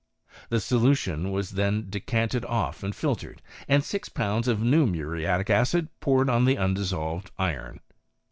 The solution was then decanted off, and filtered, and six pounds of new muriatic acid poured on the undissolved iron.